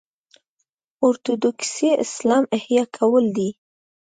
اورتوډوکسي اسلام احیا کول دي.